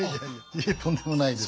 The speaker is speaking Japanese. いえとんでもないです。